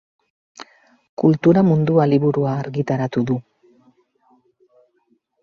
Kultura mundua liburua argitaratu du.